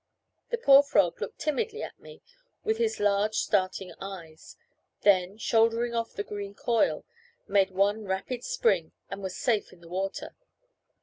The poor frog looked timidly at me with his large starting eyes; then, shouldering off the green coil, made one rapid spring, and was safe in the water.